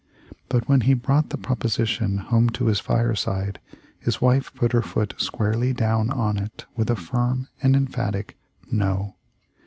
But when he brought the proposition home to his fireside, his wife put her foot squarely down on it with a firm and emphatic No.